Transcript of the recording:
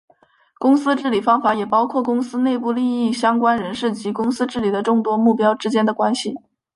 公司治理方法也包括公司内部利益相关人士及公司治理的众多目标之间的关系。